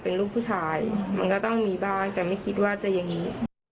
เป็นลูกผู้ชายมันก็ต้องมีบ้างแต่ไม่คิดว่าจะอย่างนี้